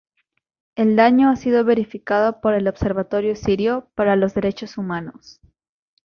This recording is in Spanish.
El daño ha sido verificado por el Observatorio Sirio para los Derechos Humanos.